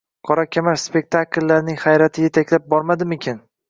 “Qora kamar” spektakllarining hayrati yetaklab bormadimikin?